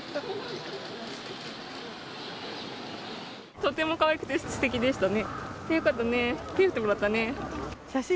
とてもかわいくてすてきでしたね。